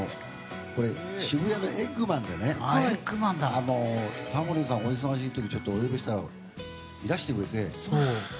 これ、渋谷でねタモリさんをお忙しい時、お呼びしたらいらしてくれて。